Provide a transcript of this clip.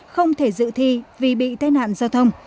không thể dự thi vì bị tai nạn giao thông